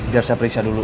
biar saya periksa dulu